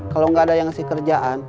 kalau nggak ada yang ngasih kerjaan